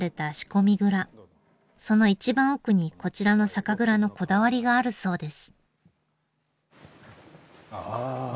その一番奥にこちらの酒蔵のこだわりがあるそうです。